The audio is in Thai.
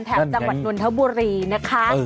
จังหวัดนนทบุรีนะคะ